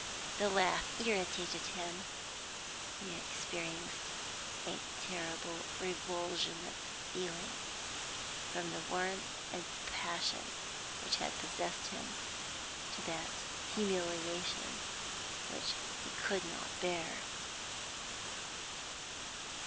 The laugh irritated him. He experienced a terrible revulsion of feeling, from the warmth and passion which had possessed him, to that humiliation, which he could not bear.